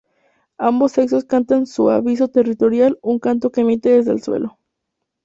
Ambos sexos cantan su aviso territorial, un canto que emiten desde el suelo.